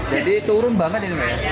jadi turun banget ini ya